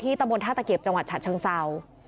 ที่ตะบนท่าตะเกียบจังหวัดฉันซาว